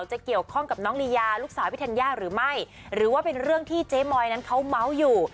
จะเกี่ยวข้องกับน้องลียาลูกสาวพี่ธัญญาหรือไม่หรือว่าเป็นเรื่องที่เจ๊มอยนั้นเขาเมาส์อยู่